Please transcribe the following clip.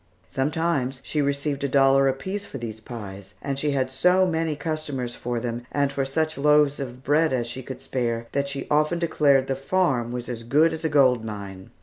Sometimes she received a dollar apiece for these pies; and she had so many customers for them and for such loaves of bread as she could spare, that she often declared the farm was as good as a gold mine.